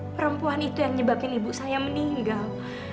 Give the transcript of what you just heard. perempuan itu yang nyebabin ibu saya meninggal